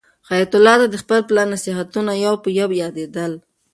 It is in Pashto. حیات الله ته د خپل پلار نصیحتونه یو په یو یادېدل.